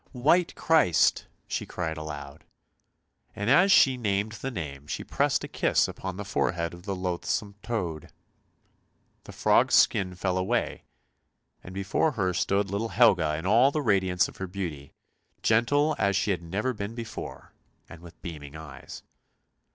" White Christ," she cried aloud, and as she named the name she pressed a kiss upon the forehead of the loathsome toad ; the frog's skin fell away, and before her stood little Helga in all the radiance of her beauty, gentle as she had never been before, and with beaming e3 r es.